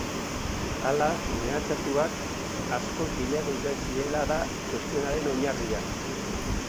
Hala, mehatxatuak askoz gehiago izan zirela da txostenaren oinarria.